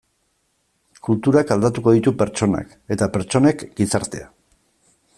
Kulturak aldatuko ditu pertsonak eta pertsonek gizartea.